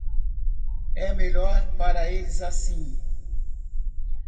É melhor para eles assim.